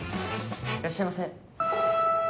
いらっしゃいませ。